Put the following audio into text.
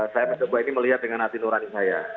saya mencoba ini melihat dengan hati nurani saya